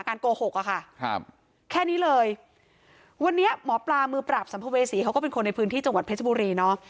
โกหกอะค่ะครับแค่นี้เลยวันนี้หมอปลามือปราบสัมภเวษีเขาก็เป็นคนในพื้นที่จังหวัดเพชรบุรีเนอะ